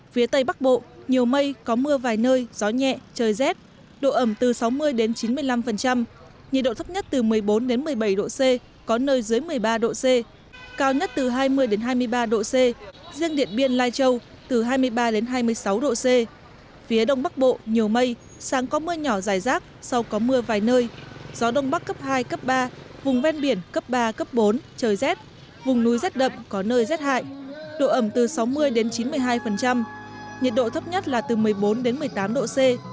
vùng núi rất đậm có nơi rất hại độ ẩm từ sáu mươi chín mươi hai nhiệt độ thấp nhất là từ một mươi bốn một mươi tám độ c